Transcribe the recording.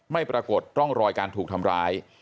ปรากฏร่องรอยการถูกทำร้าย